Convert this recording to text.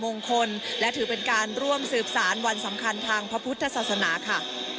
มงคลและถือเป็นการร่วมสืบสารวันสำคัญทางพระพุทธศาสนาค่ะ